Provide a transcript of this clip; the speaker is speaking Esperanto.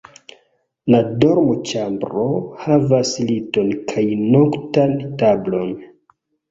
La dormoĉambro havas liton kaj noktan tablon.